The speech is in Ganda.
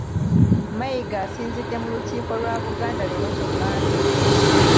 Mayiga asinzidde mu Lukiiko lwa Buganda leero ku Mmande